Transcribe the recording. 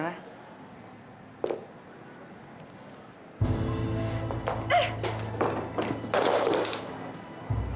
berani beraninya kamu ambil kesempatan